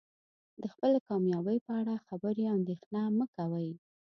د خپلې کامیابۍ په اړه خبرې او اندیښنه مه کوئ.